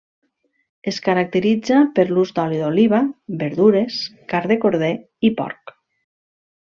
Es caracteritza per l'ús d'oli d'oliva, verdures, carn de corder i porc.